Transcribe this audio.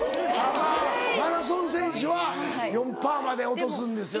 マラソン選手は４％まで落とすんですよね。